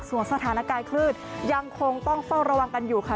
ส่วนสถานการณ์คลื่นยังคงต้องเฝ้าระวังกันอยู่ค่ะ